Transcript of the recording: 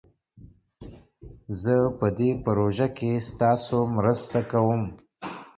زه په دي پروژه کښي ستاسو مرسته کووم